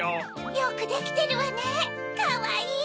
よくできてるわねかわいい！